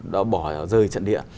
đã bỏ rơi trận địa